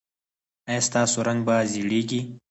ایا ستاسو رنګ به زیړیږي؟